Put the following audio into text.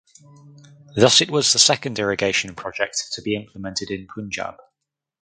Thus it was the second irrigation project to be implemented in Punjab.